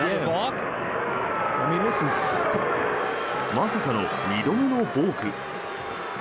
まさかの２度目のボーク。